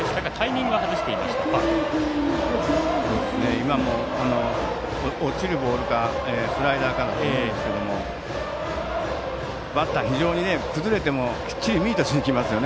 今も、落ちるボールかスライダーかだと思いますがバッター、非常に崩れてもきっちりミートしにきますね。